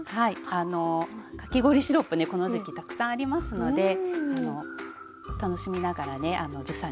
あのかき氷シロップねこの時期たくさんありますので楽しみながらね１０歳の娘とつくってます。